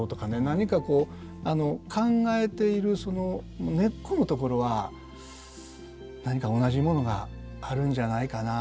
何かこう考えているその根っこのところは何か同じものがあるんじゃないかな。